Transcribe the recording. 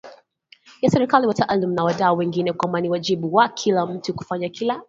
ya serikali wataalamu na wadau wengine kwamba ni wajibu wa kila mtu kufanya kila